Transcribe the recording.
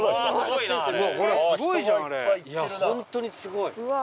いや本当にすごい。